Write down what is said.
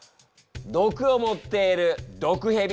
毒を持っている毒ヘビ。